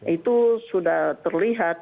itu sudah terlihat